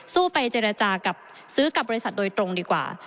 ไปเจรจากับซื้อกับบริษัทโดยตรงดีกว่า